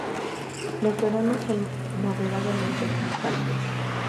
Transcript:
Los veranos son moderadamente cálidos.